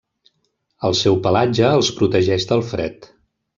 El seu pelatge els protegeix del fred.